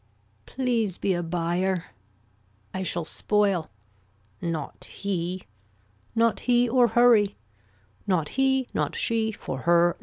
Please be a buyer. I shall spoil. Not he. Not he or hurry. Not he. Not she. For her.